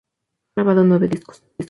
Ha grabado nueve discos.